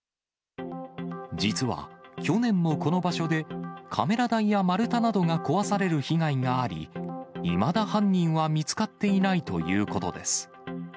実は、去年もこの場所で、カメラ台や丸太などが壊される被害があり、いまだ犯人は見つかっていないということです。